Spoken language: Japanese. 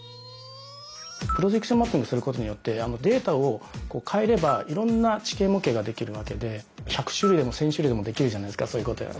プロジェクションマッピングすることによってデータを変えればいろんな地形模型ができるわけで１００種類でも１，０００種類でもできるじゃないですか。